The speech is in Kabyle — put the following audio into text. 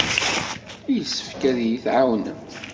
Yessefk ad iyi-tɛawnemt.